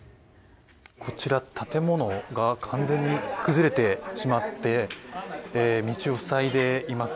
こちら建物が完全に崩れてしまって道を塞いでいます。